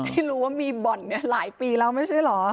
ไม่รู้ว่ามีบ่อนหลายปีแล้วไม่ใช่เหรอ